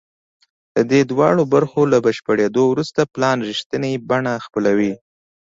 د دې دواړو برخو له بشپړېدو وروسته پلان رښتینې بڼه خپلوي